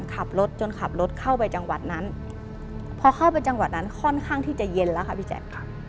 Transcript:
ขับรถจนขับรถเข้าไปจังหวัดนั้นพอเข้าไปจังหวัดนั้นค่อนข้างที่จะเย็นแล้วค่ะพี่แจ๊ค